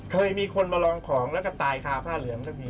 เคยมีคนมาลองของแล้วก็ตายคาผ้าเหลืองสักที